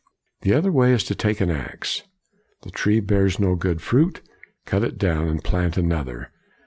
The other way is to take an ax. The tree bears no good fruit: cut it down, and plant another.